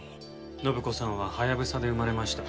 展子さんはハヤブサで生まれました。